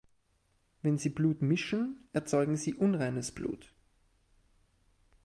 Wenn Sie Blut mischen, erzeugen Sie unreines Blut.